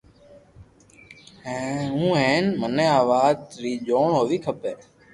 ھون ھين مني آوات ري جوڻ ھووي کمي